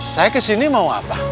saya kesini mau apa